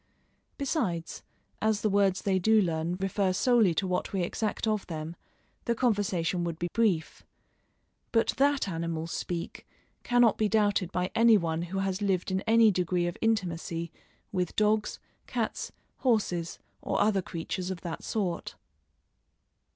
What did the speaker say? Besides, as the words they do learn refer solely to what we exact of them, the conversation would be brief. But that animals speak cannot be doubted by any one who has lived in any degree of intimacy with dogs, cats, horses, or other creatures of that sort.